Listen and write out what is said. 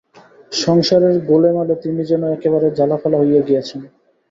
সংসারের গোলেমালে তিনি যেন একবারে ঝালাফালা হইয়া গিয়াছেন।